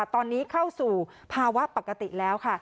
ตอนนี้เข้าสู่ภาวะปกติแล้วค่ะ